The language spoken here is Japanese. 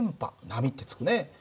波って付くね。